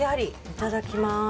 いただきます。